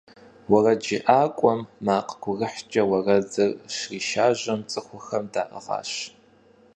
УэрэджыӀакӀуэм макъ гурыхькӀэ уэрэдыр щришажьэм, цӏыхухэм даӏыгъащ.